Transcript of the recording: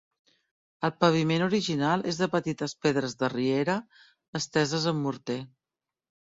El paviment original és de petites pedres de riera esteses amb morter.